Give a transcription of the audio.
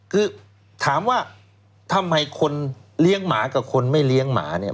คือถามว่าทำไมคนเลี้ยงหมากับคนไม่เลี้ยงหมาเนี่ย